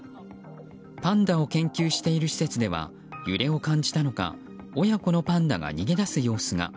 パンダを研究している施設では揺れを感じたのか親子のパンダが逃げ出す様子が。